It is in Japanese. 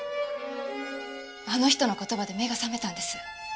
あの人の言葉で目が覚めたんです。